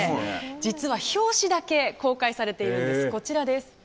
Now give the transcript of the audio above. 実は表紙だけ公開されているんです。